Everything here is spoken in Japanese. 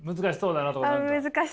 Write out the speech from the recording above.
難しそうだなとか。